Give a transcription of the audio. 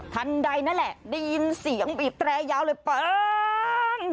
ทันใดนั่นแหละได้ยินเสียงบีบแตรยาวเลยเปิ้ง